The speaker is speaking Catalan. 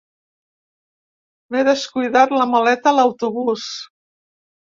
M'he descuidat la maleta a l'autobús.